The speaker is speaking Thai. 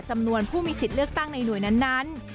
จำนวนผู้มีสิทธิ์เลือกตั้งในหน่วยนั้น